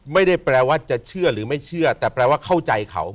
ไม่ได้แปลว่าจะเชื่อหรือไม่เชื่อแต่แปลว่าเข้าใจเขา